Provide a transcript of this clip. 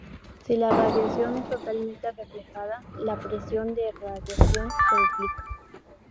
Si la radiación es totalmente reflejada, la presión de radiación se duplica.